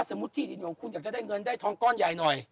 ถ้าสมมุติที่ดินองค์คุณอยากจะได้เงินได้ทองก้อนใหญ่หน่อย